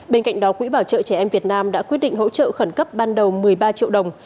bên cạnh đó quỹ bảo trợ trẻ em việt nam đã quyết định hỗ trợ khẩn cấp ban đầu một mươi ba triệu đồng